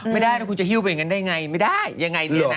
ไม่ได้อะคุณจะฮิ้วเป็นกันได้ไงอย่างไรนี่นะ